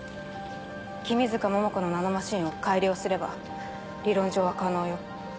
君塚桃子のナノマシンを改良すれば理論上は可能よ。